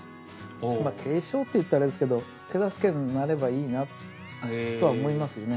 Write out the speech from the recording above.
継承っていったらあれですけど手助けになればいいなとは思いますよね。